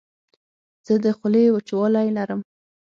زه د خولې وچوالی لرم.